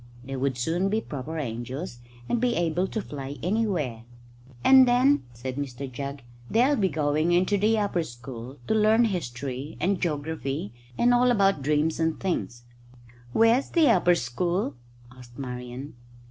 They would soon be proper angels and able to fly anywhere. "And then," said Mr Jugg, "they'll be going into the upper school to learn history and geography and all about dreams and things." "Where's the upper school?" asked Marian.